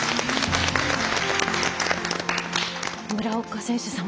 村岡選手